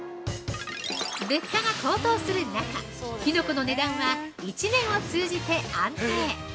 物価が高騰する中、きのこの値段は一年を通じて安定。